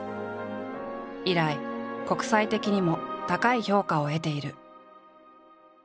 以来国際的にも高い評価を得ている。